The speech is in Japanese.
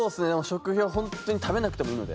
食費はホントに食べなくてもいいので。